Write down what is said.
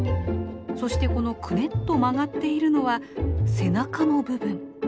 そしてこのクネっと曲がっているのは背中の部分。